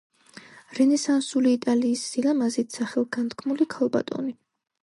რენესანსული იტალიის სილამაზით სახელგანთქმული ქალბატონი.